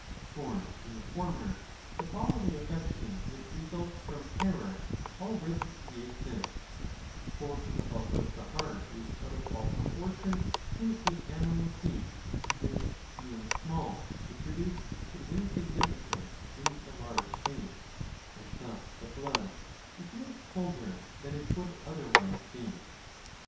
For in the former the bodily affection which results from terror already pre exists ;^^ for the bulk of the heart is out of all proportion to the animal's heat, which being small is reduced to insignificance in the large space, and thus the blood is made colder than it would otherwise be.